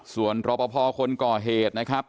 ส่วนรอปภคนก่อเหตุนะครับ